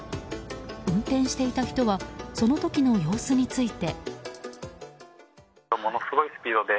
運転していた人はその時の様子について。